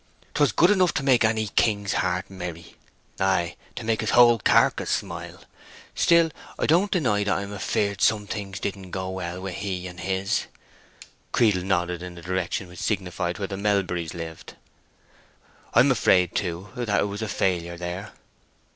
'Twas good enough to make any king's heart merry—ay, to make his whole carcass smile. Still, I don't deny I'm afeared some things didn't go well with He and his." Creedle nodded in a direction which signified where the Melburys lived. "I'm afraid, too, that it was a failure there!"